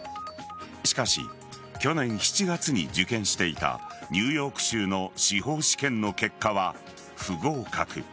しかし去年７月に受験していたニューヨーク州の司法試験の結果は不合格。